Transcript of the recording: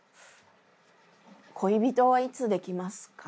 恋人はいつできますか？